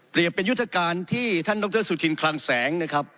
เป็นยุทธการที่ท่านดรสุธินคลังแสงนะครับ